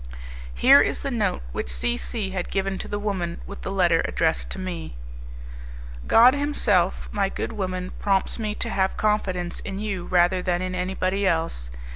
Here is the note which C C had given to the woman, with the letter addressed to me: "God Himself, my good woman, prompts me to have confidence in you rather than in anybody else.